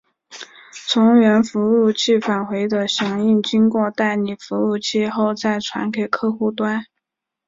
从源服务器返回的响应经过代理服务器后再传给客户端。